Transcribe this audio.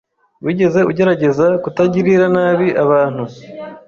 Wigeze ugerageza kutagirira nabi abantu?